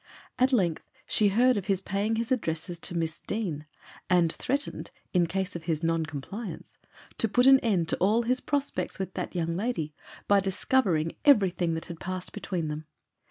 At length she heard of his paying his addresses to Miss Dean, and threatened, in case of his non compliance, to put an end to all his prospects with that young lady, by discovering everything that had passed between them.